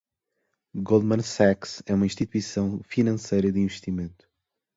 Goldman Sachs é uma instituição financeira de investimento.